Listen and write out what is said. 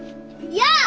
やあ！